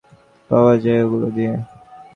সবসময়েই কিছু সাধারণ উত্তর পাওয়া যায় ওগুলো দিয়ে।